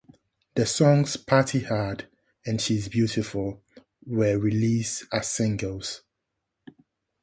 The songs "Party Hard" and "She Is Beautiful" were released as singles.